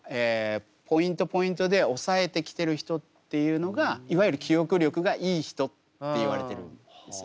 ポイントで押さえてきてる人っていうのがいわゆる記憶力がいい人っていわれてるんですね。